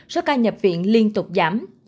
số ca nhập viện liên tục giảm